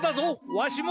わしも！